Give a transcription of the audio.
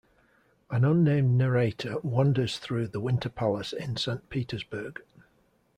An unnamed narrator wanders through the Winter Palace in Saint Petersburg.